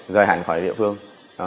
rời hẳn khỏi địa phương